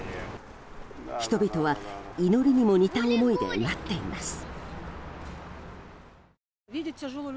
人々は祈りにも似た思いで待っています。